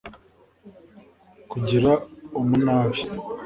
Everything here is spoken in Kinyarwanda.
Kugira umunabi